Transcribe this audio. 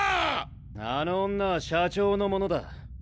あの女は社長のものだ。